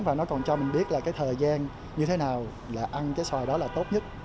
và nó còn cho mình biết là cái thời gian như thế nào là ăn cái xoài đó là tốt nhất